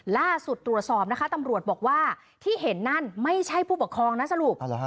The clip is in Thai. ล่าสุดตรวจสอบนะคะตำรวจบอกว่าที่เห็นนั่นไม่ใช่ผู้ปกครองนะสรุป